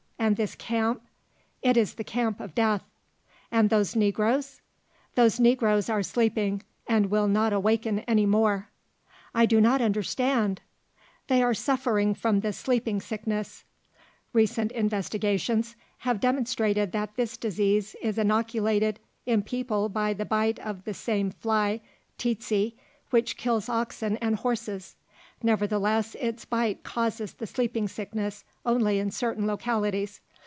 "And this camp?" "It is the camp of death." "And those negroes?" "Those negroes are sleeping and will not awaken any more." "I do not understand " "They are suffering from the sleeping sickness.* [* Recent investigations have demonstrated that this disease is inoculated in people by the bite of the same fly "tsetse" which kills oxen and horses. Nevertheless its bite causes the sleeping sickness only in certain localities.